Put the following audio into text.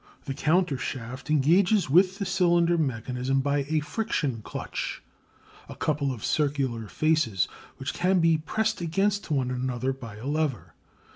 The countershaft engages with the cylinder mechanism by a "friction clutch," a couple of circular faces which can be pressed against one another by a lever.